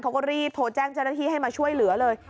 เขาก็รีบโทรแจ้งเจ้าหน้าที่ให้มาช่วยเหลือเลย